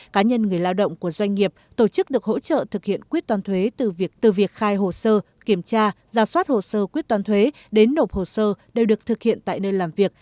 cá nhân người lao động của doanh nghiệp tổ chức được hỗ trợ thực hiện quyết toán thuế từ việc khai hồ sơ kiểm tra ra soát hồ sơ quyết toán thuế đến nộp hồ sơ đều được thực hiện tại nơi làm việc